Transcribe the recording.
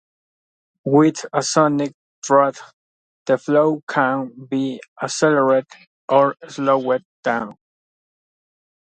With a sonic throat, the flow can be accelerated or slowed down.